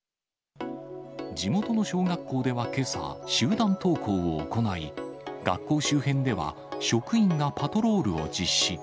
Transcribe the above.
地元の小学校ではけさ、集団登校を行い、学校周辺では職員がパトロールを実施。